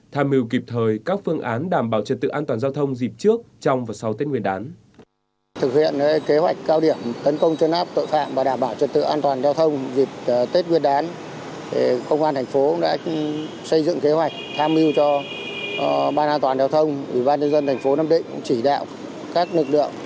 tham mưu kịp thời các phương án đảm bảo chất tự an toàn giao thông dịp trước trong và sau tết nguyên đán